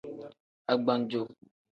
Agbanjo.